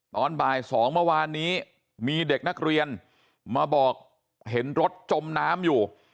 ตอนบ่าย๒เมื่อวานนี้มีเด็กนักเรียนมาบอกเห็นรถจมน้ำอยู่